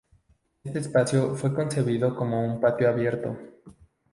Este espacio fue concebido como un patio abierto.